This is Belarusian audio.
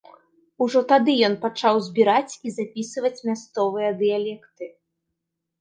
Ужо тады ён пачаў збіраць і запісваць мясцовыя дыялекты.